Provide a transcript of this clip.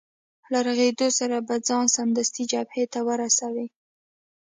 له رغېدو سره به ځان سمدستي جبهې ته ورسوې.